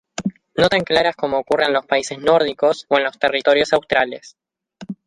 No tan claras como ocurre en los países nórdicos, o en los territorios australes.